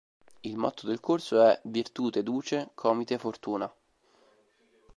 Il motto del corso è: Virtute Duce Comite Fortuna.